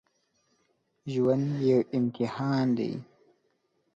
ژوند یو امتحان دی